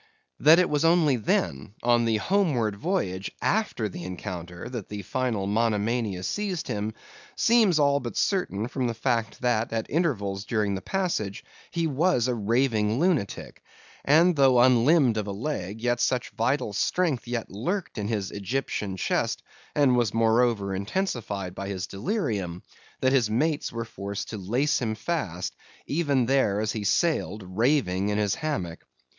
That it was only then, on the homeward voyage, after the encounter, that the final monomania seized him, seems all but certain from the fact that, at intervals during the passage, he was a raving lunatic; and, though unlimbed of a leg, yet such vital strength yet lurked in his Egyptian chest, and was moreover intensified by his delirium, that his mates were forced to lace him fast, even there, as he sailed, raving in his hammock.